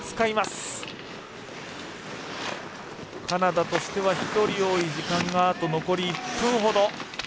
カナダとしては１人多い時間が、あと残り１分ほど。